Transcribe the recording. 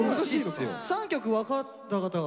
３曲分かった方が。